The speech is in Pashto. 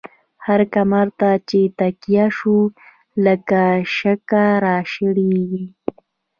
هر کمر ته چی تکيه شو، لکه شګه را شړيږی